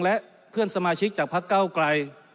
และเพื่อนสมาชิกจากพักเก้าไกล